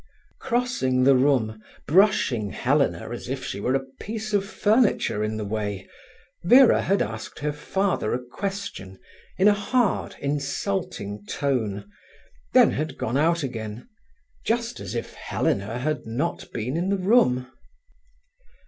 Crossing the room, brushing Helena as if she were a piece of furniture in the way, Vera had asked her father a question, in a hard, insulting tone, then had gone out again, just as if Helena had not been in the room.